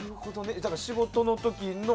だから、仕事の時の。